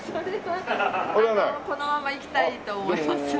このままいきたいと思います。